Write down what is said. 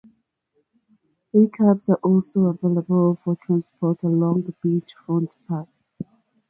Pedicabs are also available for transport along the Beach front Path.